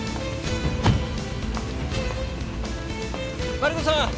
マリコさん